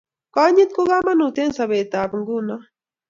Konyit ko kamanuut eng sopet tab nguno